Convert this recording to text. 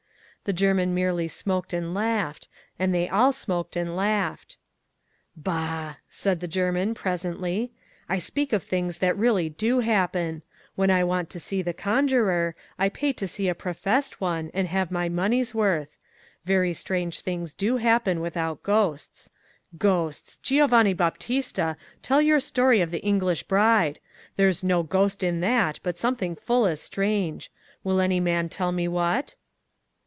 The German merely smoked and laughed; and they all smoked and laughed. 'Bah!' said the German, presently. 'I speak of things that really do happen. When I want to see the conjurer, I pay to see a professed one, and have my money's worth. Very strange things do happen without ghosts. Ghosts! Giovanni Baptista, tell your story of the English bride. There's no ghost in that, but something full as strange. Will any man tell me what?